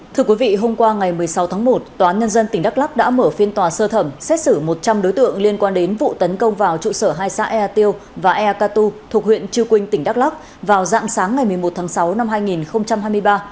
thưa quý vị hôm qua ngày một mươi sáu tháng một tòa án nhân dân tỉnh đắk lắc đã mở phiên tòa sơ thẩm xét xử một trăm linh đối tượng liên quan đến vụ tấn công vào trụ sở hai xã ea tiêu và ea katu thuộc huyện chư quynh tỉnh đắk lắc vào dạng sáng ngày một mươi một tháng sáu năm hai nghìn hai mươi ba